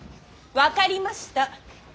分かりました。